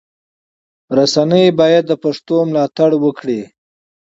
رسنی باید د پښتو ملاتړ وکړي.